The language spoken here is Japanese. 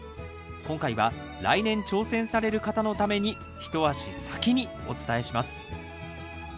今回は来年挑戦される方のために一足先にお伝えします。